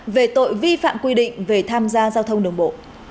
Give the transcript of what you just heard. về tội vi phạm quy định về tham gia giao thông đường bộ